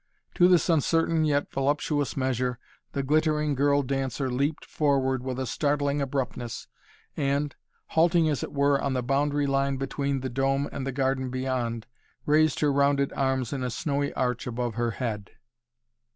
To this uncertain yet voluptuous measure the glittering girl dancer leaped forward with a startling abruptness and, halting as it were on the boundary line between the dome and the garden beyond, raised her rounded arms in a snowy arch above her head.